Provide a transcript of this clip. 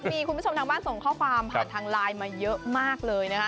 มีคุณผู้ชมทางบ้านส่งข้อความผ่านทางไลน์มาเยอะมากเลยนะคะ